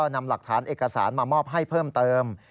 นำหลักฐานเอกสารมามอบให้เพิ่มเติม